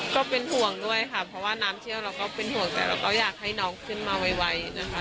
ก็เป็นห่วงด้วยค่ะเพราะว่าน้ำเชี่ยวเราก็เป็นห่วงแต่เราก็อยากให้น้องขึ้นมาไวนะคะ